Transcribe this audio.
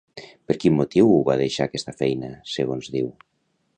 Per quin motiu va deixar aquesta feina, segons diu?